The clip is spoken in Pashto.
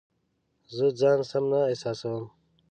زه ځان سم نه احساسوم